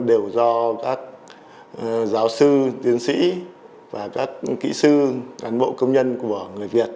đều do các giáo sư tiến sĩ và các kỹ sư cán bộ công nhân của người việt